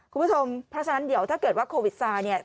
คุณผู้ชมเพราะฉะนั้นเดี๋ยวถ้าเกิดว่าโควิดซาเนี่ย